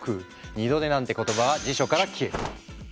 二度寝なんて言葉は辞書から消える。